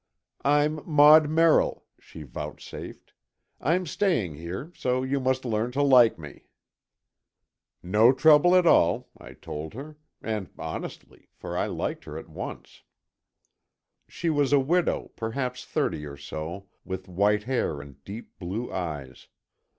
"I'm Maud Merrill," she vouchsafed. "I'm staying here, so you must learn to like me." "No trouble at all," I told her, and honestly, for I liked her at once. She was a widow, perhaps thirty or so, with white hair and deep blue eyes.